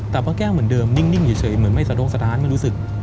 แต่พ่อแก้วเหมือนเดิมนิ่งเฉยเหมือนไม่สะดงสะท้านไม่รู้สึก